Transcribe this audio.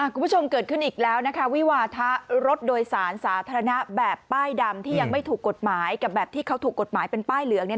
คุณผู้ชมเกิดขึ้นอีกแล้วนะคะวิวาทะรถโดยสารสาธารณะแบบป้ายดำที่ยังไม่ถูกกฎหมายกับแบบที่เขาถูกกฎหมายเป็นป้ายเหลือง